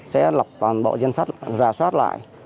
sẽ lập toàn bộ danh sách ra soát lại